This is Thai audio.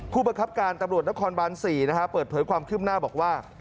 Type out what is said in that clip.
ผู้บัดครับการตำรวจนครบาล๔เปิดเผยความขึ้มหน้าบอกว่า